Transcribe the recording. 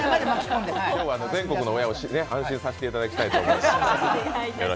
今日は全国の親を安心させていただきたいと思います。